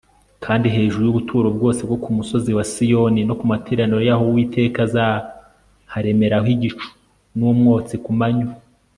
kandi hejuru y'ubuturo bwose bwo ku musozi wa siyoni no ku materaniro yaho uwiteka azaharemeraho igicu n'umwotsi ku manywa